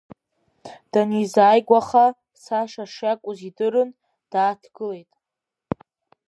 Данизааигәаха, Саша шиакәыз идырын, дааҭгылеит.